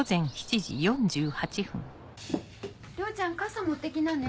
りょうちゃん傘持って行きなね。